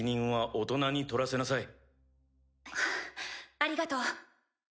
ありがとう。